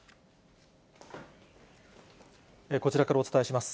こちらからお伝えします。